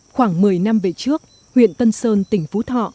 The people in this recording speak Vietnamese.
khoảng một mươi năm về trước huyện tân sơn tỉnh phú thọ